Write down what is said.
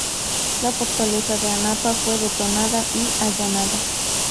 La fortaleza de Anapa fue detonada y allanada.